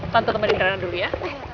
tante temanin rena dulu ya